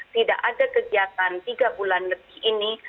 tidak ada kegiatan tiga bulan lebih ini